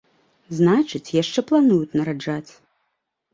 Значыць, яшчэ плануюць нараджаць.